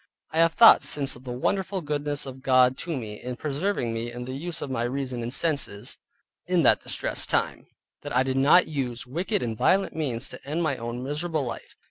I have thought since of the wonderful goodness of God to me in preserving me in the use of my reason and senses in that distressed time, that I did not use wicked and violent means to end my own miserable life.